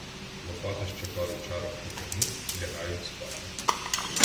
Лопата ще пару чарок потягнув, і лягають спати.